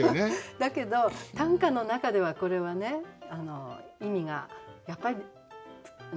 だけど短歌の中ではこれはね意味がやっぱりつかないっていう。